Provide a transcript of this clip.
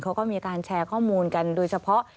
เขาก็มีการแชร์ข้อมูลกันโดยเฉพาะ